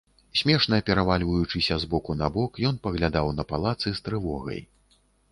Смешна перавальваючыся з боку на бок, ён паглядаў на палацы з трывогай.